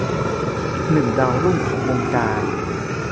อีกหนึ่งดาวรุ่งของวงการ